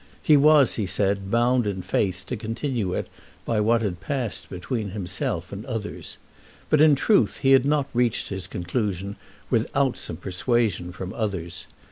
He was, he said, bound in faith to continue it by what had passed between himself and others. But in truth he had not reached his conclusion without some persuasion from others.